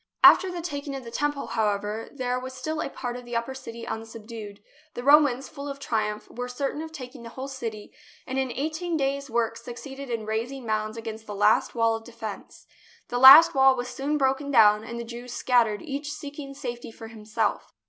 After the taking of the Temple, however, there was still a part of the upper city unsubdued. The Romans, full of triumph, were certain of taking the whole city, and in eighteen days' work suc ceeded in raising mounds against the last wall of defence. The last wall was soon broken down, and the Jews scattered, each seeking safety for himself.